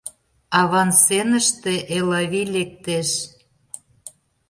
Авансценыште Элавий лектеш.